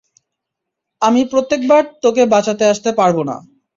আমি প্রত্যেকবার তোকে বাচাতে আসতে পারব না।